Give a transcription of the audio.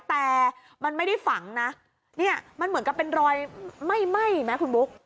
แต่มันไม่ได้ฝังนะเนี่ยมันเหมือนกับเป็นรอยไหม้ไหมคุณบุ๊ค